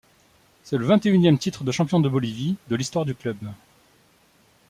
C'est le vingt-et-unième titre de champion de Bolivie de l'histoire du club.